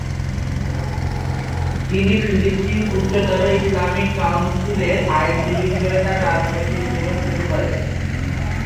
তিনি ফিলিস্তিন উচ্চতর ইসলামিক কাউন্সিলের আইনজীবী হিসেবে তার রাজনৈতিক জীবন শুরু করেন।